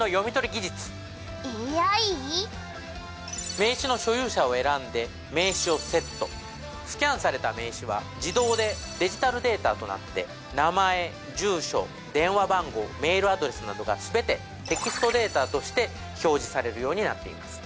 名刺の所有者を選んで名刺をセットスキャンされた名刺は自動でデジタルデータとなって名前住所電話番号メールアドレスなどが全てテキストデータとして表示されるようになっています